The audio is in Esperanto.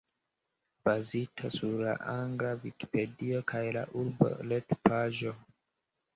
Bazita sur la angla Vikipedio kaj la urba retpaĝo.